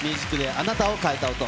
あなたを変えた音。